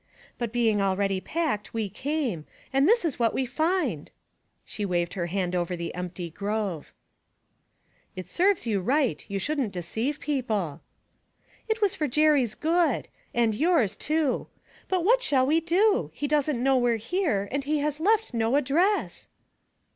But being already packed, we came, and this is what we find ' She waved her hand over the empty grove. 'It serves you right; you shouldn't deceive people.' 'It was for Jerry's good and yours too. But what shall we do? He doesn't know we're here and he has left no address.'